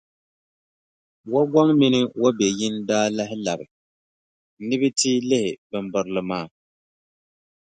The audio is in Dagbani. Wagow mini Wobeyin daa lahi labi ni bɛ ti lihi bimbirili maa.